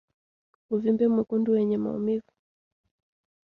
Uvimbe mwekundu wenye maumivu